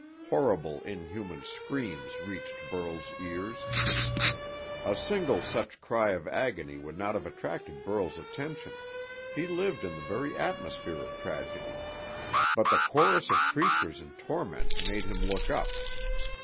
Horrible inhuman screams reached Burl's ears. A single such cry of agony would not have attracted Burl's attention he lived in the very atmosphere of tragedy but the chorus of creatures in torment made him look up.